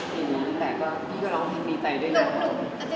พี่ก็ร้องดีใจด้วยนะ